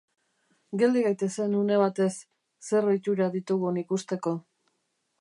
Geldi gaitezen une batez, zer ohitura ditugun ikusteko.